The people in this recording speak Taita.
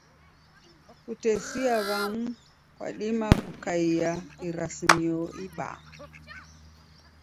Kutesia w'amu kwadima kukaia irasimio ibaa.